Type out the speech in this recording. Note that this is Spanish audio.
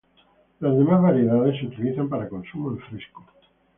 Las demás variedades se utilizan para consumo en fresco.